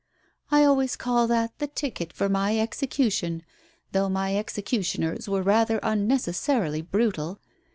"I always call that the ticket for my execution. Though my executioners were rather unnecessarily brutal.